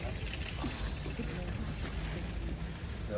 คุณบอกครับ